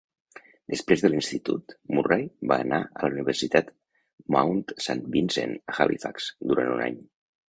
Després de l'institut, Murray va anar a la Universitat Mount Saint Vincent a Halifax durant un any.